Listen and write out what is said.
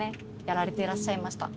やられていらっしゃいました。